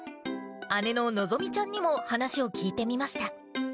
姉ののぞみちゃんにも話を聞いてみました。